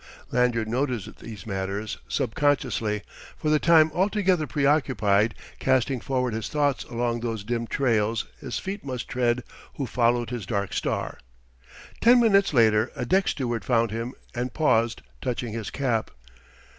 Lanyard noted these matters subconsciously, for the time altogether preoccupied, casting forward his thoughts along those dim trails his feet must tread who followed his dark star.... Ten minutes later a deck steward found him, and paused, touching his cap.